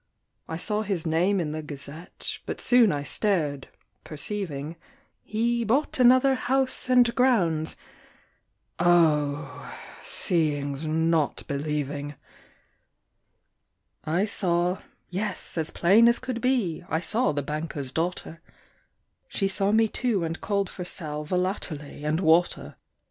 I saw his name in the Gazette, But soon I stared, perceiving, He bought another house and grounds: Oh! seeing's not believing! I saw yes, as plain as could be, I saw the banker's daughter; She saw me, too, and called for sal Volatile and water.